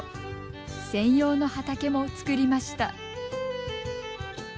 専用の畑も作りました。